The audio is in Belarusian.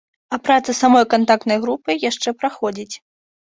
А праца самой кантактнай групы яшчэ праходзіць.